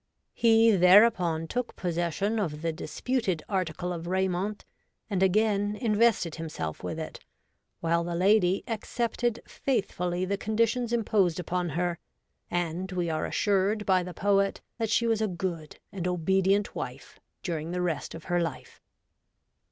He thereupon took pos session of the disputed article of raiment, and again ii8 REVOLTED WOMAN. invested himself with it, while the lady accepted faithfully the conditions imposed upon her, and we are assured by the poet that she was a good and obedient wife during the rest of her life.